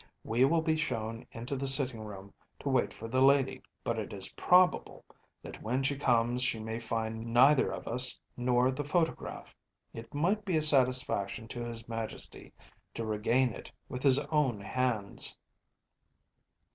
We will be shown into the sitting room to wait for the lady, but it is probable that when she comes she may find neither us nor the photograph. It might be a satisfaction to his Majesty to regain it with his own hands.